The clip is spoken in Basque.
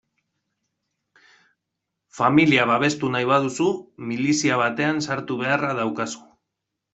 Familia babestu nahi baduzu, milizia batean sartu beharra daukazu.